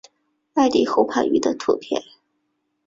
艾氏喉盘鱼的图片